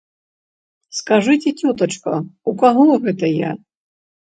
Скажыце, цётачка, у каго гэта я?